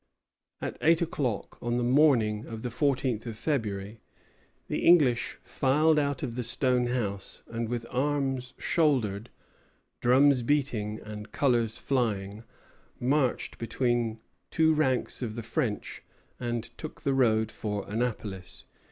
At eight o'clock on the morning of the 14th of February the English filed out of the stone house, and with arms shouldered, drums beating, and colors flying, marched between two ranks of the French, and took the road for Annapolis.